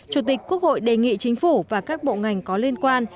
chủ tịch quốc hội đề nghị chính phủ và các bộ ngành có liên quan